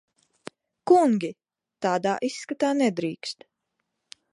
Kungi! Tādā izskatā nedrīkst.